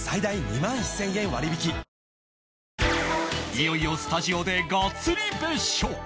いよいよスタジオでガッツリ別所！